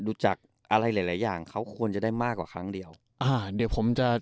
ดูจากอะไรหลายหลายอย่างเขาควรจะได้มากกว่าครั้งเดียวอ่าเดี๋ยวผมจะ